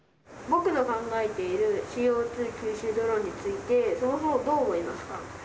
僕の考えているＣＯ２研究ドローンについて、どう思いますか？